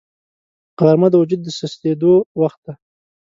غرمه د وجود سستېدو وخت دی